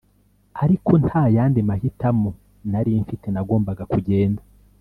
ariko nta yandi mahitamo nari mfite nagombaga kugenda